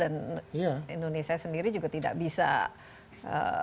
dan indonesia sendiri juga tidak bisa istilahnya